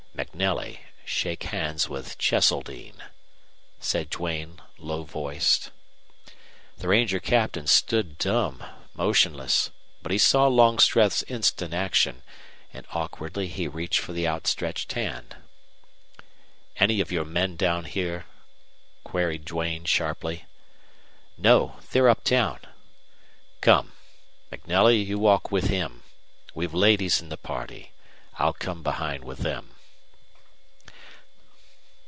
"MacNelly, shake hand with Cheseldine," said Duane, low voiced. The ranger captain stood dumb, motionless. But he saw Longstreth's instant action, and awkwardly he reached for the outstretched hand. "Any of your men down here?" queried Duane, sharply. "No. They're up town." "Come. MacNelly, you walk with him. We've ladies in the party. I'll come behind with them."